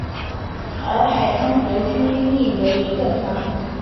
而海滩德军兵力为一个团。